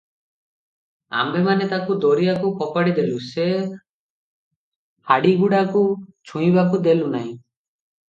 ଆମ୍ଭେମାନେ ତାକୁ ଦରିଆକୁ ଫୋପାଡ଼ିଦେଲୁଁ, ସେ ହାଡ଼ିଗୁଡ଼ାଙ୍କୁ ଛୁଇଁବାକୁ ଦେଲୁନାହିଁ ।